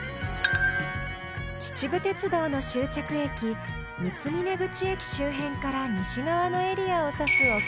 秩父鉄道の終着駅三峰口駅周辺から西側のエリアを指す奥